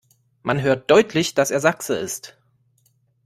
Man hört deutlich, dass er Sachse ist.